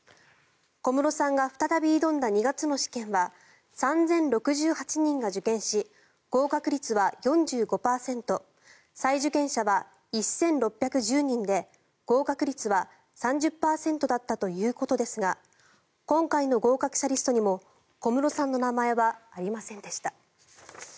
小室さんが再び挑んだ２月の試験は３０６８人が受験し合格率は４５％再受験者は１６１０人で合格率は３０％だったということですが今回の合格者リストにも小室さんの名前はありませんでした。